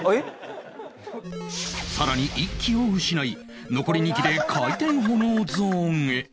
更に１機を失い残り２機で回転炎ゾーンへ